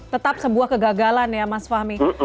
tetap sebuah kegagalan ya mas fahmi